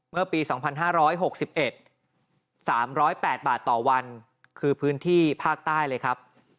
เมื่อปี๒๕๖๑๓๐๘บาทต่อวันคือพื้นที่ภาคใต้เลยครับ